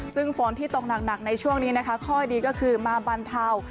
ซึ่งฝนที่ตกหนักในช่วงนี้นะคะข้อดีก็คือมาบรรเทา